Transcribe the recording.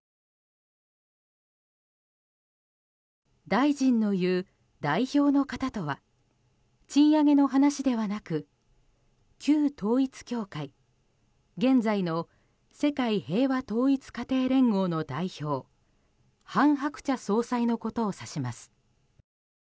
大臣の言う代表の方とは賃上げの話ではなく旧統一教会、現在の世界平和統一家庭連合の代表韓鶴子総裁のことを指します。